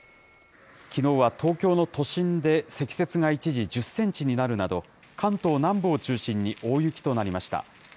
きのうは東京の都心で積雪が一時１０センチになるなど、関東南部を中心に大雪となりました。